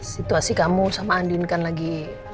situasi kamu sama andin kan lagi